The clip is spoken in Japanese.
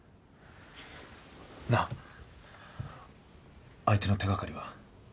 なあ相手の手がかりは？